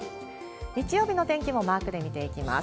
日曜日の天気もマークで見ていきます。